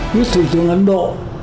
quý thủ tướng ấn độ